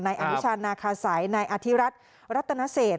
นายอนุชาณาคาไสนายอธิรัติรัตนเตนเศส